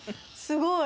すごい！